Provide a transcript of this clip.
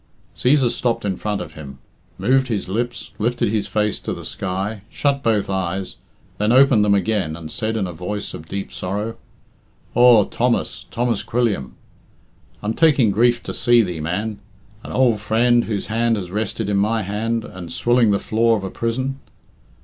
Cæsar stopped in front of him, moved his lips, lifted his face to the sky, shut both eyes, then opened them again, and said in a voice of deep sorrow, "Aw, Thomas! Thomas Quilliam! I'm taking grief to see thee, man. An ould friend, whose hand has rested in my hand, and swilling the floor of a prison!